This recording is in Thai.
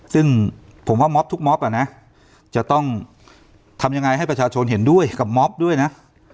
ซึ่งผมว่ามอบทุกม็อบอ่ะนะจะต้องทำยังไงให้ประชาชนเห็นด้วยกับม็อบด้วยนะ